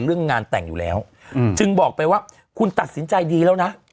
เรื่องงานแต่งอยู่แล้วจึงบอกไปว่าคุณตัดสินใจดีแล้วนะ